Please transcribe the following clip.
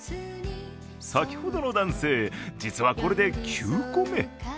先ほどの男性、実はこれで９個目。